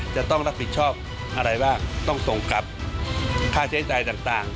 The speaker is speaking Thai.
จะต้องรับผิดชอบอะไรบ้างต้องส่งกับค่าใช้จ่ายต่าง